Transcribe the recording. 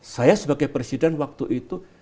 saya sebagai presiden waktu itu